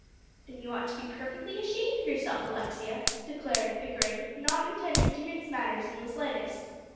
"Then you ought to be perfectly ashamed of yourself, Alexia," declared Pickering, not intending to mince matters in the slightest.